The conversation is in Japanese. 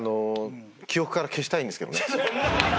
記憶から消したいんですけどね。